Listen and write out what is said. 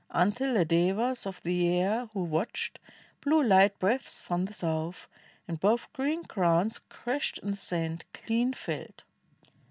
Until the Devas of the air, who watched, Blew hght breaths from the south, and both green crowns Crashed in the sand, clean felled.